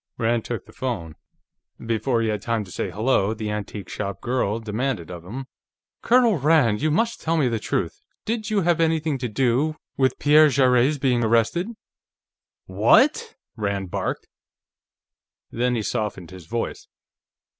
Rand took the phone. Before he had time to say "hello," the antique shop girl demanded of him: "Colonel Rand, you must tell me the truth. Did you have anything to do with Pierre Jarrett's being arrested?" "What?" Rand barked. Then he softened his voice.